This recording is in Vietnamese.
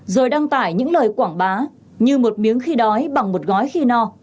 rồi đăng tải những lời quảng bá như một miếng khi đói bằng một gói khi no